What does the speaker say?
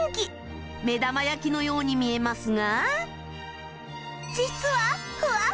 目玉焼きのように見えますが